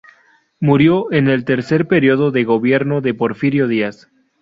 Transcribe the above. Murió en el tercer período de gobierno de Porfirio Díaz.